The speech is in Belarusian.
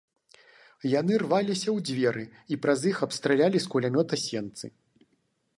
Яны рваліся ў дзверы і праз іх абстралялі з кулямёта сенцы.